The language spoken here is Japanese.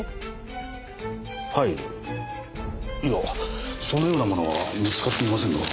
いやぁそのようなものは見つかっていませんよ。